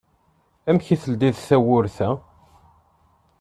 Amek i tleddi tewwurt-a?